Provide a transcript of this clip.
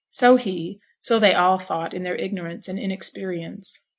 So he so they all thought in their ignorance and inexperience.